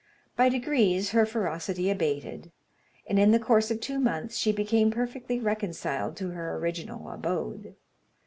By degrees her ferocity abated, and in the course of two months she became perfectly reconciled to her original abode.